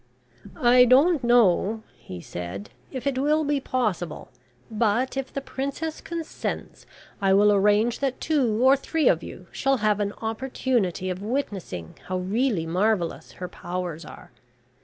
"I don't know," he said, "if it will be possible, but, if the princess consents, I will arrange that two or three of you shall have an opportunity of witnessing how really marvellous her powers are.